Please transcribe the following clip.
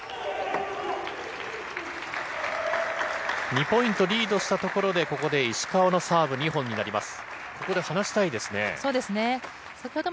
２ポイントリードしたところで石川のサーブ２本になります。